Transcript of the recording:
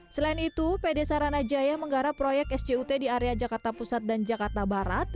selain itu pd saranajaya menggarap proyek sjut di area jakarta pusat dan jakarta barat